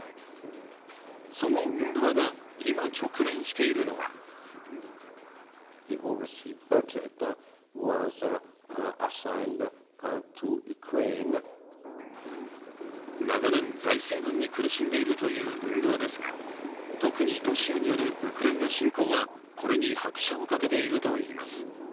そのＵＮＲＷＡが今、直面しているのは長年、財政難に苦しんでいるというＵＮＲＷＡですが、特にロシアによるウクライナ侵攻はこれに拍車をかけているといいます。